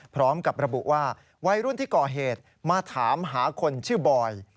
พร้อมกับระบุว่าวัยรุ่นที่ก่อเหตุมาถามหาคนชื่อบอย